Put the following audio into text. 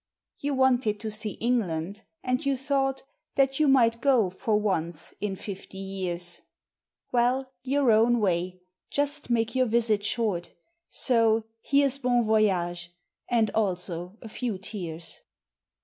You wanted to see England, and you thought That you might go for once in fifty years: Well, your own way just make your visit short; So here's bon voyage, and also a few tears.